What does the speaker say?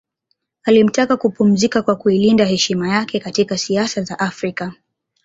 Alimtaka kupumzika na kuilinda heshima yake katika siasa za Afrika